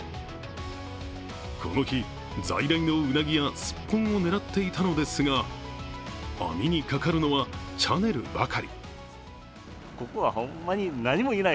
この日、在来のうなぎやすっぽんを狙っていたのですが網にかかるのはチャネルばかり。